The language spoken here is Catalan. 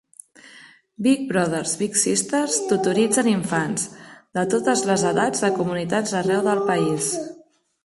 Big Brothers Big Sisters tutoritzen infants, de totes les edats de comunitats arreu del país.